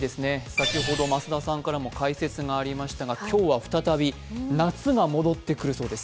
先ほど、増田さんからも解説がありましたが今日は再び、夏が戻ってくるそうです。